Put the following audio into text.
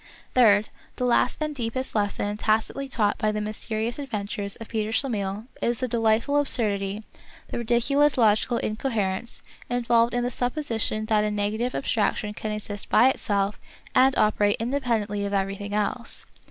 Third, the last and deepest lesson tacitly taught by the mysterious adventures of Peter Schlemihl is the delightful absurdity, the ridiculous logical incoherence, involved in the supposition that a negative abstraction can exist by itself and operate independently of every thing else.